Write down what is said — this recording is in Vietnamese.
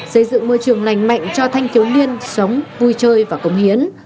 xây dựng môi trường lành mạnh cho thanh thiếu niên sống vui chơi và công hiến